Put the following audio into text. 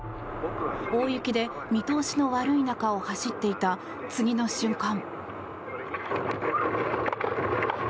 大雪で見通しの悪い中を走っていた次の瞬間。